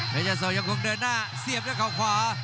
ยาโสยังคงเดินหน้าเสียบด้วยเขาขวา